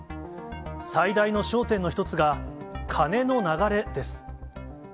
最大の焦点の一つが、金の流れです。